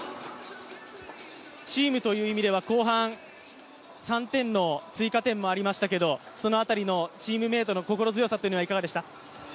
チームという意味では後半３点の追加点もありましたけどその辺りのチームメートの心強さというのはいかがでしたか？